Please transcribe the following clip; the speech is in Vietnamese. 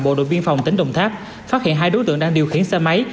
bộ đội biên phòng tỉnh đồng tháp phát hiện hai đối tượng đang điều khiển xe máy